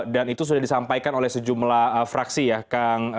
dan itu sudah disampaikan oleh sejumlah fraksi ya kang